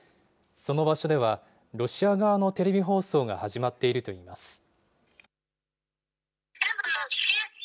その場所では、ロシア側のテレビ放送が始まっているといいます。